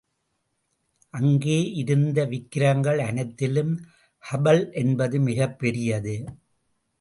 அங்கே இருந்த விக்கிரங்கள் அனைத்திலும் ஹுபல் என்பது மிகப் பெரியது.